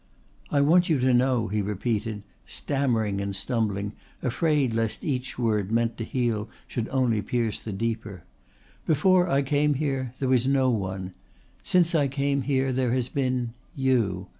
"I want you to know," he repeated, stammering and stumbling, afraid lest each word meant to heal should only pierce the deeper. "Before I came here there was no one. Since I came here there has been you.